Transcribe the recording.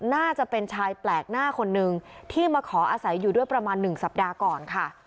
น่าจะเป็นชายแปลกหน้าคนนึงที่มาขออาศัยอยู่ด้วยประมาณหนึ่งสัปดาห์ก่อนค่ะ